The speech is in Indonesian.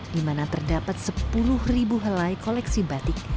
di mana terdapat sepuluh ribu helai koleksi batik